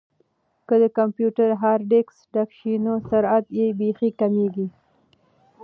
که د کمپیوټر هارډیسک ډک شي نو سرعت یې بیخي کمیږي.